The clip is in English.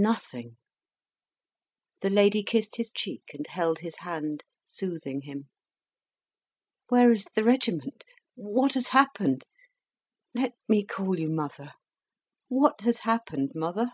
"Nothing." The lady kissed his cheek, and held his hand, soothing him. "Where is the regiment? What has happened? Let me call you mother. What has happened, mother?"